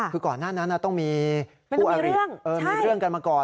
คือก่อนหน้านั้นต้องมีคู่อริมีเรื่องกันมาก่อน